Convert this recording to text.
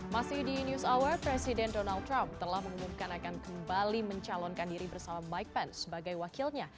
masih di news hour presiden donald trump telah mengumumkan akan kembali mencalonkan diri bersama mike pence sebagai wakilnya